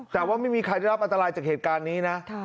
แต่ว่าไม่มีใครได้รับอันตรายจากเหตุการณ์นี้นะ